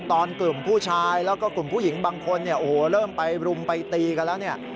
ตอนกลุ่มผู้ชายแล้วก็กลุ่มผู้หญิงบางคนเริ่มไปรุมไปตีกันแล้ว